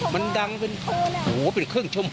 มันดังทนอ่ะโหเป็นครึ่งชั่วโมง